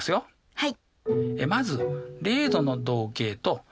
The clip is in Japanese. はい。